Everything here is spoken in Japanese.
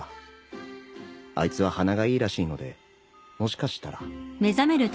あいつは鼻がいいらしいのでもしかしたら